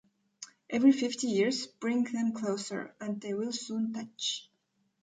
Every fifty years bring them closer, and they will soon touch.